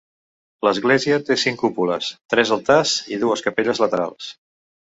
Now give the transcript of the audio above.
L'església té cinc cúpules, tres altars i dues capelles laterals.